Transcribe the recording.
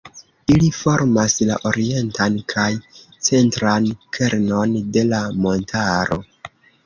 Ili formas la orientan kaj centran kernon de la montaro.